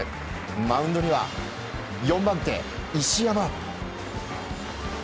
マウンドには４番手、石山。